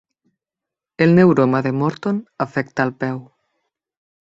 El neuroma de Morton afecta al peu.